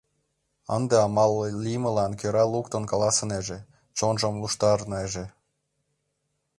Ынде амал лиймылан кӧра луктын каласынеже, чонжым луштарынеже.